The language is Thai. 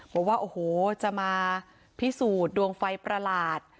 บอกว่าโอ้โหจะมาพิสูจน์ดวงไฟประหลาด